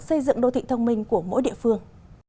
xây dựng đô thị thông minh của mỗi địa phương